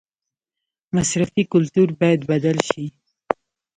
مصرفي کلتور باید بدل شي